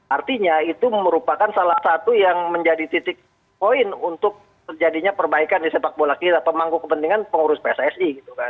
artinya itu merupakan salah satu yang menjadi titik poin untuk terjadinya perbaikan di sepak bola kita pemangku kepentingan pengurus pssi